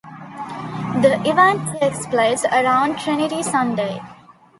The event takes place around Trinity Sunday.